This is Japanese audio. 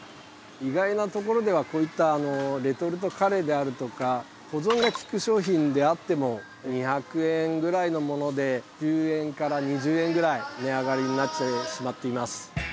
意外なところではこういったレトルトカレーであるとか保存が利く商品であっても２００円ぐらいのもので１０円から２０円ぐらい値上がりになってしまっています。